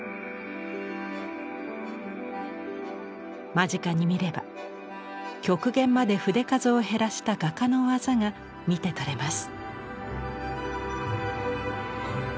間近に見れば極限まで筆数を減らした画家の技が見て取れます。